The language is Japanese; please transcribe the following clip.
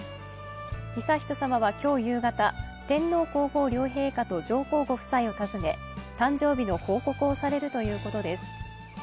悠仁さまは今日夕方、天皇皇后両陛下と上皇ご夫妻を訪ね誕生日の報告をされるということです。